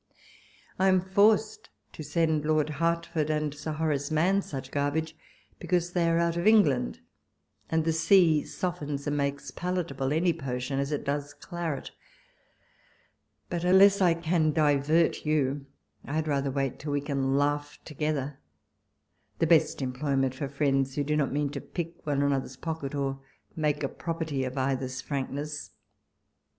I ara forced to send Lord Hertford and Sir Horace Mann such garbage, because they are out of England, and the sea softens and makes palat able any potion, as it does claret ; but unless I can divert you, I had rather wait till we can laugh together ; the best employment for friends, who do not mean to pick one another's j)ocket, nor make a property of cither's frank ness.